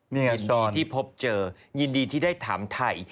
นี่ไงช้อนยินดีที่พบเจอยินดีที่ได้ถามไทย